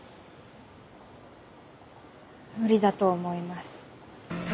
無理だと思います。